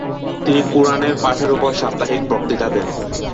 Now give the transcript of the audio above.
তিনি কুরআনের পাঠের উপর সাপ্তাহিক বক্তৃতা দেন।